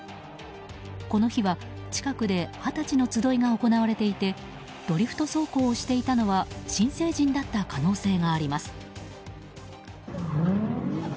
この日は、近くで二十歳の集いが行われていてドリフト走行をしていたのは新成人だった可能性があります。